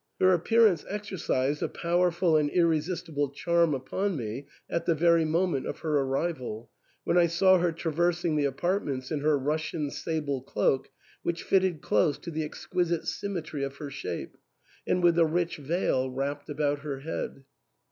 Her appearance exercised a powerful and irresistible charm upon me at the very moment of her arrival, when I saw her traversing the apartments in her Russian sable cloak, which fitted close to the exquisite symmetry of her shape, and with a rich veil wrapped about her head.